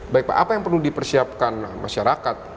baik pak apa yang perlu dipersiapkan masyarakat